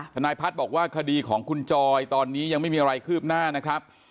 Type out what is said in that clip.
ทนายพัฒน์บอกว่าคดีของคุณจอยตอนนี้ยังไม่มีอะไรคืบหน้านะครับ